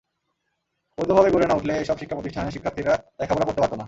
বৈধভাবে গড়ে না উঠলে এসব শিক্ষাপ্রতিষ্ঠানে শিক্ষার্থীরা লেখাপড়া করতে পারত না।